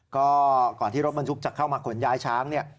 ก็ก่อนที่รถบรรทุกจะเข้ามาขนย้ายช้างเนี่ย